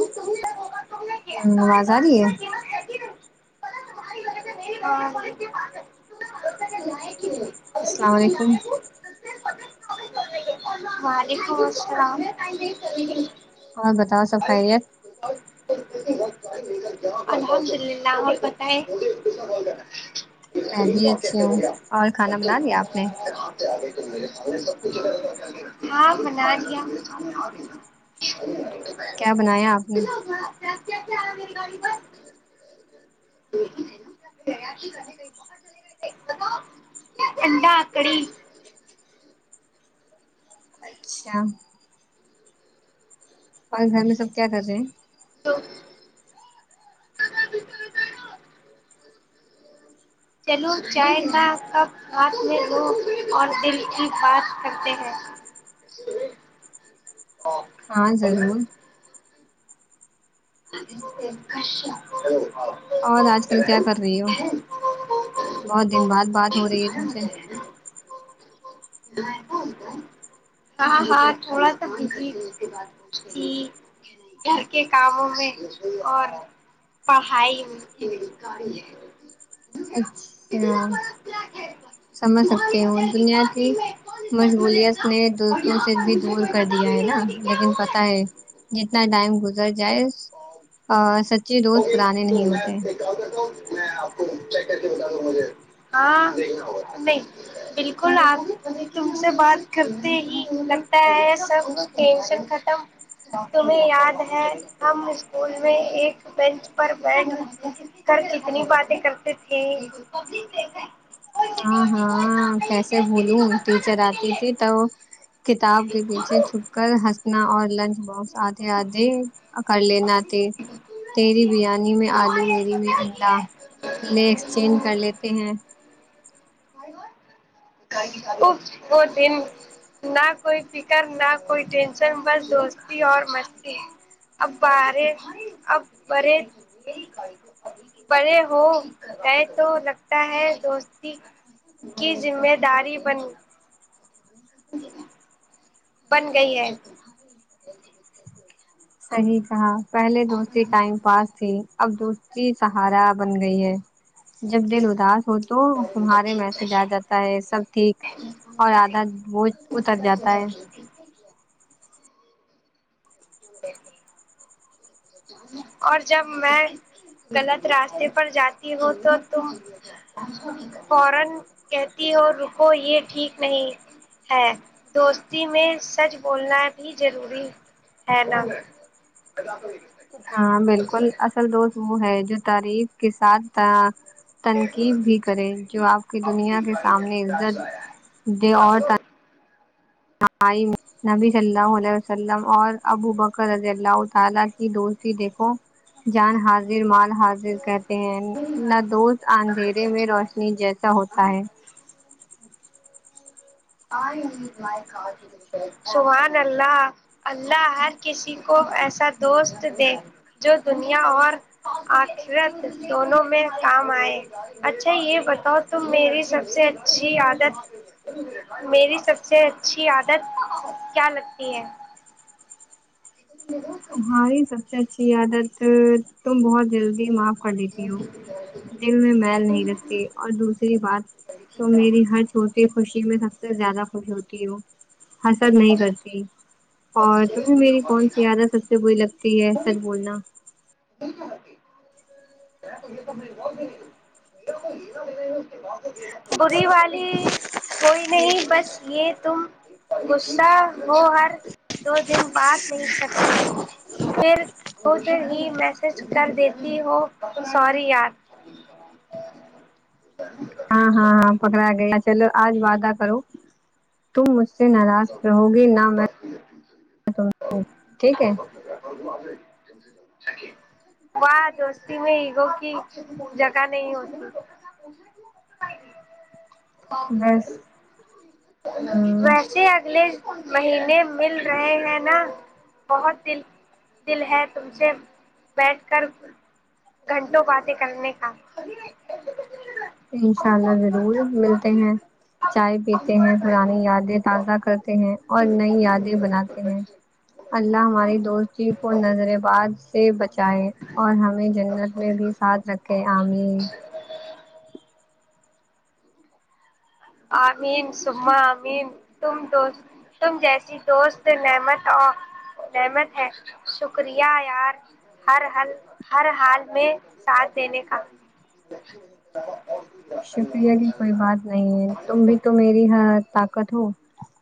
وعلیکم ہمم آواز آ رہی ہے ہاں آرہی ہیں [inaudible] السلام و علیکم وعلیکم السلام اور بتاؤ سب خیریت الحمدللہ آپ بتائیں میں بھی اچھی ہوں اور کھانا بنا دیا آپ نے [unintelligible] ہاں بنا لیا کیا بنایا آپ نے [unintelligible] انڈا کڑی اچھا اور گھر میں سب کیا کر رہے ہیں تو چلو چائے کا کپ ہاتھ میں لو اور دل کی بات کرتے ہیں [unintelligible] ہاں ضرور عشاء [unintelligible] اور آج کل کیا کر رہی ہو بہت دن بعد بات ہو رہی ہے تم سے [unintelligible] ہاں ہاں تھوڑا سا بزی تھی گھر کے کاموں جی اور پڑھائی اچھا سمجھ تمہاری سکتی ہوں ہوٹل دنیا کی پارکنگ میں کون رسپانسبل ہے اس مشغولیت کا نے اور دوستوں یہاں سے پر بھی مجھے دور کوئی کر بتا دیا بھی ہے نہیں نا رہا کہ کیا لیکن ہوا پتہ ہے جتنا ٹائم گزر جائے ا سچے دوست پرانے نہیں ہوتے ہاں بالکل اس تم سے بات کرتے ہی لگتا ہے سب ٹینشن ختم تمہیں یاد ہے ہم اسکول میں ایک بینچ پر بیٹھ کر کتنی باتیں کرتے تھے ہاں ہاں کیسے بھولو ٹیچر آتی تھی تو کتاب کے پیچھے چھپ کر ہنسنا اور لنچ باکس آدھے آدھے اکر لینا تے تیری بریانی میں آلو میری میں انڈا لے ایکسچینج کر لیتے ہیں اف وہ دن نہ کوئی فکر نہ کوئی ٹینشن بس دوستی اور مستی اب بارے اب برے بڑے ہو گئے تو لگتا ہے دوستی کی ذمہ داری بن [inaudible] بن گئی ہے صحیح کہا پہلے دوستی ٹائم پاس تھی اب دوستی سہارا بن گئی ہے جب دل اداس ہو تو تمھارے میسج آ جاتا ہے سب ٹھیک اور آدھا وہ [unintelligible] اور جب میں غلط راستے پر جاتی ہو تو تم فورن کہتی ہو روکو یہ ٹھیک نہیں ہے دوستی میں سچ بولنا بھی جروری ہے نا ہاں بالکل اصل دوست وہ ہے جو تعریف کے ساتھ ت تنقیب بھی کرے جو آپ کی دنیا کے سامنے عزت دے اور ٹائم نبی صلی اللہ علیہ وسلم اور ابو بکر رضی اللہ تعالی کی دوستی دیکھو جان حاضر مال حاضر کرتے ہیں نہ دوست اندھیرے میں روشنی جیسا ہوت تا ہے آئی امی میں کہاتیو سبحان اللہ اللہ ہر کسی کو ایسا دوست دے جو دنیا اور آخرت دونوں میں کام آئے اچھا یہ بتاؤ تم میری سب سے اچھی عادت میری سب سے اچھی عادت کیا لگتی ہے یرا تمہاری سب سے اچھی عادت تم بہت جلدی معاف کر دیتی ہو دل میں میل نہیں رکھتے اور دوسری بات تو میری ہر سب کی خوشی میں سب سے زیادہ خوش ہوتی ہو حسد نہیں کرتی اور تمہیں میری کون سی عادت سب سے بری لگتی ہے سچ بولنا [unintelligible] بڑی والی کوئی نہیں بس یہ تم غصہ ہو ہر دو دن بات نہیں کرتی پھر ہوتے ہی میسج کر دیتی ہو سوری یار ہاں ہاں ہاں پکڑا گیا چلو آج وعدہ کرو تم مجھ سے ناراض رہو گی نہ میں تم سے ٹھیک ہے [unintelligible] واہ دوستی میں ایگو کی جگہ نہیں ہوتی بس ہاں ویس ج اگلے مہینے مل رہے ہیں نا بہت دل دل ہے تم سے بیٹھ کر گھنٹوں باتیں کرنے کا انشاء اللہ ضرور ملتے ہیں چائے پیتے ہیں پرانی یادیں تازہ کرتے ہیں اور نئی یادیں بناتے ہیں اللہ ہماری دوستی کو نظر باز سے بچائے اور ہمیں جنت میں بھی ساتھ رکھے آمین امین سمہ امین تم تو تم جیسی دوست نعمت رحمت ہے شکریہ یار ہر ہل ہر حال میں ساتھ دینے کا شکریہ کی کوئی بات نہیں ہے تم بھی تو میری ہا طاقت ہو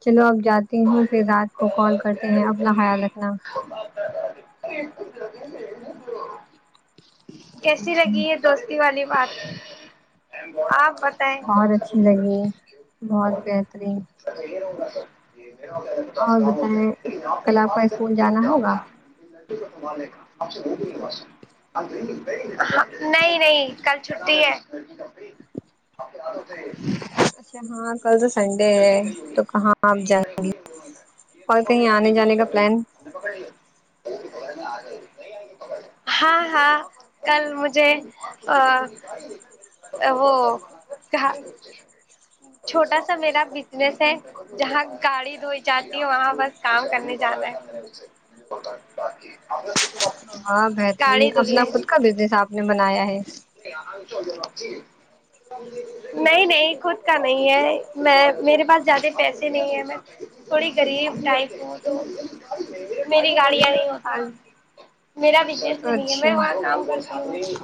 چلو اب جاتی ہوں پھر رات کو کال کرتے ہیں اپنا خیال رکھنا [unintelligible] کیسی لگی ہے دوستی والی بات آپ بہت اچھی لگی بہت بہترین [unintelligible] میرا پچاس اور کام ہوتا ہے بتائیں مری آپ کے کل پاس کا صرف اسکول ایک جانا کام ہوگا تھا [unintelligible] نہیں نہیں کل چھٹی ہے اچھا ہاں کل تو سنڈے ہے تو کہاں آپ جائیں گی اور کہیں آنے جانے کا پلان [inaudible] ہاں ہاں کل مجھے ا وہ چھوٹا سا میرا بزنس ہے جہاں گاڑی دھوئی جاتی ہے وہاں بس کام کرنے جانا ہے [unintelligible] [unintelligible] ہاں بہترین گاڑی اپنا دھلنے خود کا بزنس آپ نے بنایا ہے نہیں نہیں خود کا نہیں ہے میں میرے پاس زیادہ پیسے نہیں ہے میں تھوڑی غریب ٹائپ ہو تو میری گاڑیاں نہیں وہ ہاں جی میرا بزنس بھی نہیں ہے میں وہاں کام کرتی ہوں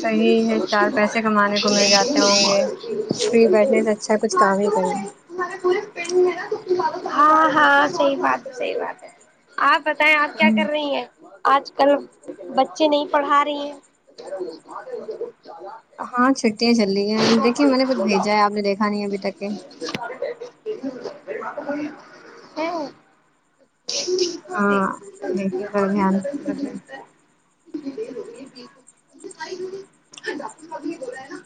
صحیح ہے چار پیسے کمانے کو مل جاتے ہوں گے فری بیٹھنےسے اچھا کچھ کام ہی کرے ہاں ہاں صحیح بات ہے صحیح بات ہے آپ بتائیں آپ کیا ہوں کر رہی ہیں آج کل بچے نہیں پڑھا رہی ہیں ہاں چھٹیاں چل رہی ہیں دیکھیے میں نے کچھ بھیجا ہے آپ نے دیکھا نہیں ابھی تک کے ہے ہاں دیکھے ذرا دھیان رکھے کتنی دیر ہو رہی [unintelligible] بھی یہ ہو رہا ہے نا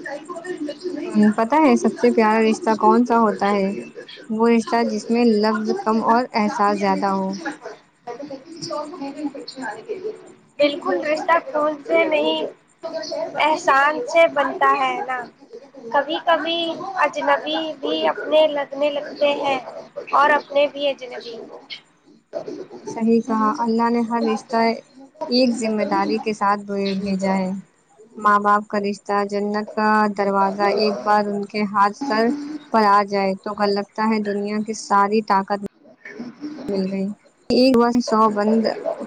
کیا امپوٹینٹ ہے ہوں پتہ ہے سب سے پیارا رشتہ کون سا ہوتا ہے وہ ہاں رشتہ جس وہی میں آپ لفظ سمجھ گئے کم نا اور ابھی آپ احساس یہ میں زیادہ سے ہو پیچھے مت پڑے میں تو کہتی ہوں کسی اور کو میرے پیچھے انے دیگی بالکل رشتہ خون سے نہیں احساس سے بنتا ہے نا کبھی کبھی اجنبی بھی اپنے لگنے لگتے ہیں اور اپنے بھی اجنبی صحیح کہا نہیں چاہتی اللہ نے ہوں ہر کہ آپ رشتہ جائیں میں تو آپ کی ایک چنتا ذمہ کروں گی داری نا کے ساتھ یہ بھیجا ہے ماں باپ کا رش جنت کا دروازہ ایک بار ان کے ہاتھ سر پر آ جائے تو گر لگتا ہے دنیا کی ساری طا مل گئی ایک بار ہی سو بند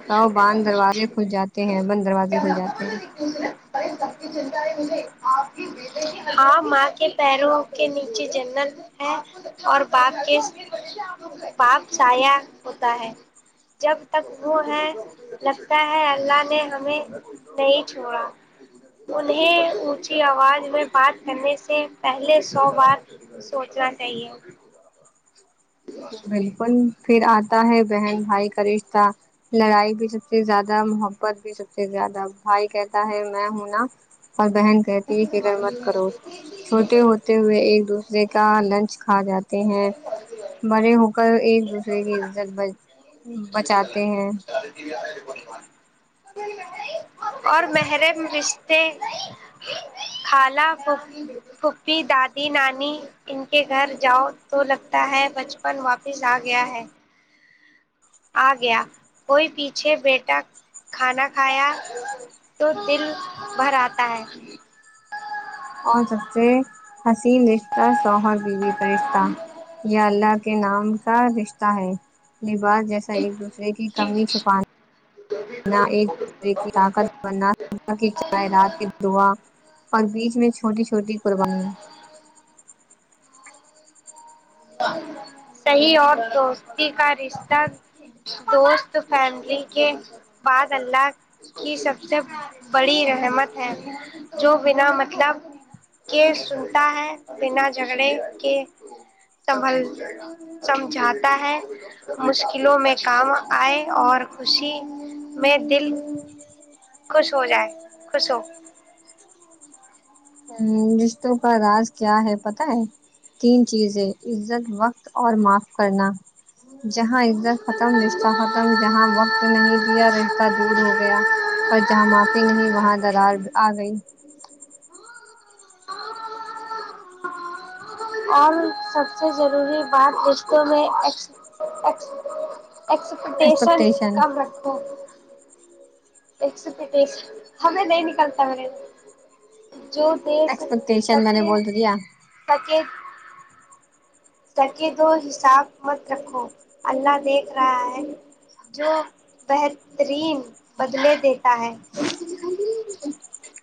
سو باند دروازے کھل جاتے ہیں بند دروازے کھل جاتے ہیں تم سنے فرے سب کی چنتا ہے مجھے آپ کی ب ہاں ماں کے پیروں کے نیچے جنت ہے اور باپ کے باپ سایا ہوتا ہے جب تک وہ ہے لگتا ہے اللہ نے ہمیں نہیں چھوڑا انیں اونچی آواز میں بات کرنے سے پہلے سو بار سوچنا چاہیے بالکل پھر آتا ہے بہن بھائی کا رشتہ لڑائی بھی سب سے زیادہ محبت بھی سب سے زیادہ بھائی کہتا ہے میں ہوں نا اور بہن کہتی ہے فکر مت کرو چھوٹے ہوتے ہوئے ایک دوسرے کا لنچ کھا جاتے ہیں بڑے ہو کر ایک دوسرے کی عزت ب بچاتے ہیں اور محرم رشتے خالا پھوپ پھوپی دادی نانی ان کے گھر جاؤ تو لگتا ہے بچپن واپس آ گیا ہے آ گیا کوئی پیچھے بیٹا کھانا کھایا تو دل بھر آتا ہے اور سب سے حسین رشتہ شوہر بیوی کا رشتہ یا اللہ کے نام کا رشتہ ہے لباس جیسا ایک دوسرے کی کمی چھپانے نہ ایک دوسرے کی طاقت ا صب کی چائے رات کے دعا اور بیچ میں چھوٹی چھوٹی قربانی صحیح اور دوستی کا رشتہ دوست فیملی کے بعد اللہ کی سب سے بڑی رحمت ہے جو بنا مطلب کے سنتا ہے بنا جھگڑے کے سنبھل سمجھاتا ہے مشکلوں میں کام آئے اور خوشی میں دل خوش ہو جائے خوش ہو ہوں رشتوں کا راز کیا ہے پتاہ ہے تین چیزیں عزت وقت اور معاف کرنا جہاں عزت ختم رشتہ ختم جہاں وقت نہیں دیا رشتہ دور ہو گیا اور جہاں معافی نہیں وہاں درار آ گئی اور سب سے ضروری بات رشتوں میں عکس عکس ایکسپیکٹیشن کام رکھو ایکسو پتس ہمیں نہیں نکلتا ہے جو دے ایکسپیکٹیشن میں نے سکے بول تو دیا سکے سکے دو حساب مت رکھو اللہ دیکھ رہا ہے جو بہترین بدلے دیتا ہے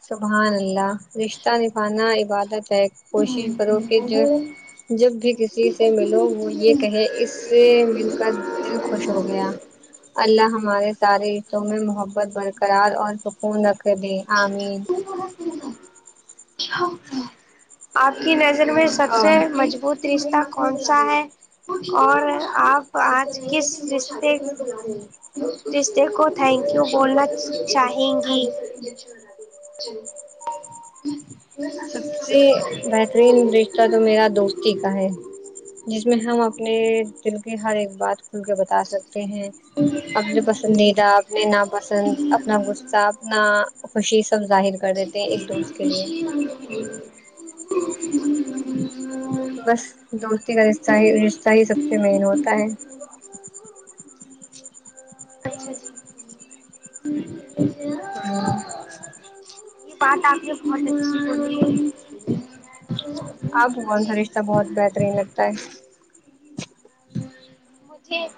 سبحان اللہ رشتہ نبھانا ایک عبادت ہے کوشش کرو کہ جو جب بھی کسی سے ملو وہ یہ کہے اس سے مل کر دل خوش ہو گیا اللہ ہمارے سارے حصوں میں محبت برقرار اور سکون رکھ دے آمین آپ کی نظر میں سب اور سے مضبوط رشتہ کون سا ہے اور آپ آج کس رشتے رشتے کو تھینکیو بولنا چاہیں گی سب سے بہترین رشتہ تو میرا دوستی کا ہے جس میں ہم اپنے دل کی ہر ایک بات کھول کے بتا سکتے ہیں اپنے پسندیدہ اپنے ناپسند اپنا غصہ اتنا خوشی سب ظاہر کر دیتے ہیں ایک دوست کے لیے بس دوستی کا رشتہ ہی رشتہ ہی سب سے مین ہوتا ہے اچھا جی ہاں یہ بات آپ نے بہت اچھی بولی آپ بگون کا رشتہ بہت بہترین لگتا ہے ٹھیک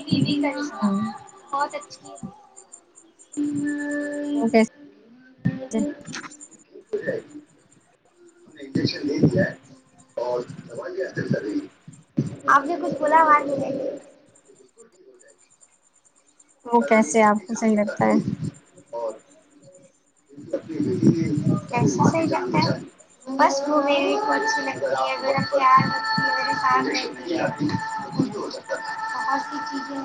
دیدی ٹائپس کا ہ بہت اچھی ہے وہ وہ کیسے انجیکشن دے دیا ہے اور دوائی بھی حاصل کریں آپ نے کچھ بولا اواز نہیں آئی وہ کیسے آپ کو صحیح لگتا ہے [unintelligible] بس وہ میرے کو اچھی لگتی ہے میرا خیال رکھتی ہے میرے ساتھ رہتی ہے بہت سی چیزیں